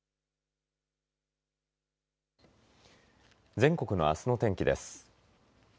全国のあすの天気です。